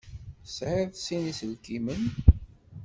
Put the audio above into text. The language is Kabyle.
Tesεiḍ sin iselkimen?